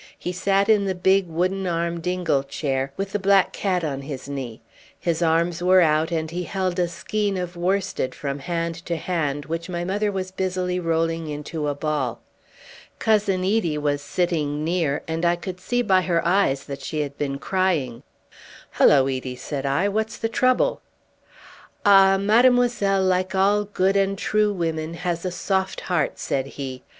He sat in the big wooden armed ingle chair, with the black cat on his knee. His arms were out, and he held a skein of worsted from hand to hand which my mother was busily rolling into a ball. Cousin Edie was sitting near, and I could see by her eyes that she had been crying. "Hullo, Edie!" said I, "what's the trouble?" "Ah! mademoiselle, like all good and true women, has a soft heart," said he.